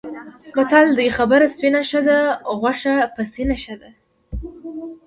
متل دی: خبره سپینه ښه ده، غوښه پسینه ښه ده.